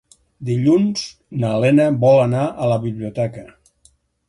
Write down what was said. Dilluns na Lena vol anar a la biblioteca.